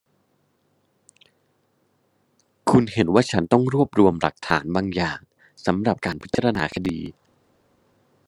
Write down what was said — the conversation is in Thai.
คุณเห็นว่าฉันต้องรวบรวมหลักฐานบางอย่างสำหรับการพิจารณาคดี